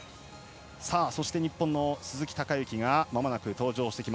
そして、日本の鈴木孝幸がまもなく登場。